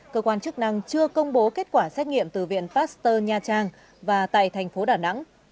cơ quan chức năng chưa công bố kết quả xét nghiệm từ viện pasteur nha trang và tại thành phố đà nẵng